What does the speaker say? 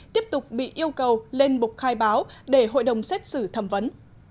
tiếp tục bị yêu cầu lên bục khai báo để hội đồng xét xử thẩm vấn